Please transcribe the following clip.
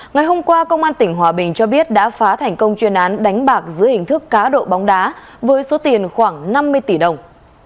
ngày hôm qua công an tỉnh hòa bình cho biết đã phá thành công chuyên án đánh bạc dưới hình thức cá độ bóng đá với số tiền khoảng năm mươi tỷ đồng